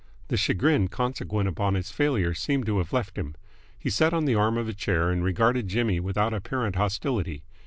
The chagrin consequent upon his failure seemed to have left him. He sat on the arm of a chair and regarded Jimmy without apparent hostility.